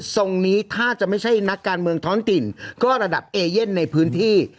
ทรงนี้ถ้าจะไม่ใช่นักการเมืองท้อนถิ่นก็ระดับเอเย่นในพื้นที่